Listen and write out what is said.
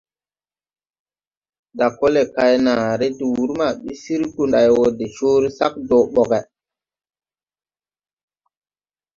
Dakole kay naaré de wur ma bi sir Gunday wo de cõõre sac doo bogge.